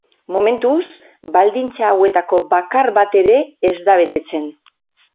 Momentuz, baldintza hauetako bakar bat ere ez da betetzen.